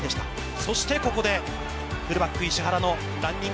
そして、ここでフルバック石原のランニング。